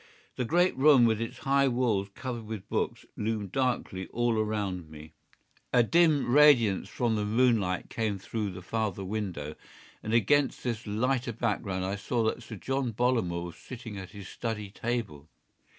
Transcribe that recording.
The great room with its high walls covered with books loomed darkly all round me. A dim radiance from the moonlight came through the farther window, and against this lighter background I saw that Sir John Bollamore was sitting at his study table.